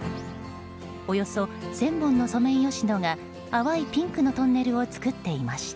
およそ１０００本のソメイヨシノが淡いピンクのトンネルを作っていました。